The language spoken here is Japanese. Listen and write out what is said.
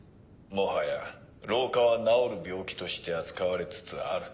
もはや老化は治る病気として扱われつつある。